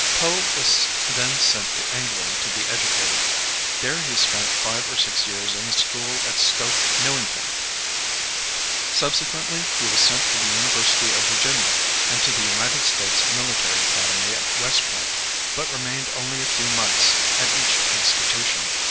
Poe was then sent to England to be educated. There he spent five or six years in a school at Stoke Newington. Subsequently he was sent to the University of Virginia and to the United States Military Academy at West Point, but remained only a few months at each institution.